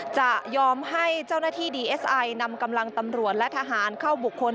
จะยอมให้เจ้าหน้าที่ดีเอสไอนำกำลังตำรวจและทหารเข้าบุคคล